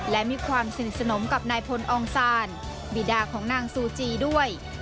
และมีความสนิทสนมกับนายพลองซานบีดาของนางซูจีด้วย